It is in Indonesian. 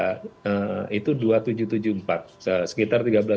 kemudian penerimaan negara kita itu rp dua ribu tujuh ratus tujuh puluh empat